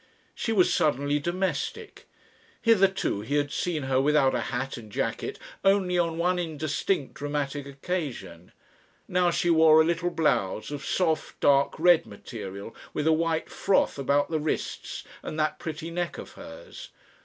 She was suddenly domestic. Hitherto he had seen her without a hat and jacket only on one indistinct dramatic occasion. Now she wore a little blouse of soft, dark red material, with a white froth about the wrists and that pretty neck of hers.